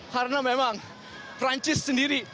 karena memang perancis sendiri